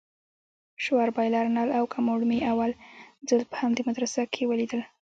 شاور بايلر نل او کموډ مې اول ځل په همدې مدرسه کښې وليدل.